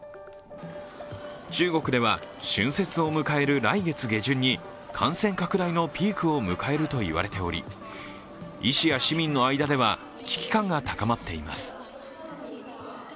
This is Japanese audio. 中国では春節を迎える来月下旬に感染拡大のピークを迎えるといわれており医師や市民の間では危機感が高まっています。